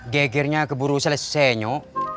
gegernya keburu selesai nyok